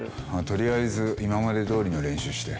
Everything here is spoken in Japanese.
とりあえず今までどおりの練習して。